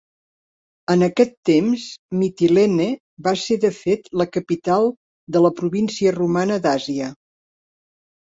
En aquest temps Mitilene va ser de fet la capital de la província romana d'Àsia.